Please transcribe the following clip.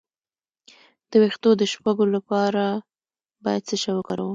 د ویښتو د شپږو لپاره باید څه شی وکاروم؟